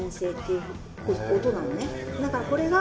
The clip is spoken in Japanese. だからこれが。